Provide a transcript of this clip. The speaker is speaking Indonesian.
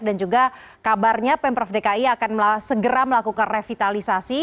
juga kabarnya pemprov dki akan segera melakukan revitalisasi